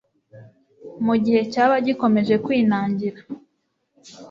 mu gihe cyaba gikomeje kwinangira.